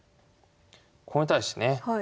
これに対してね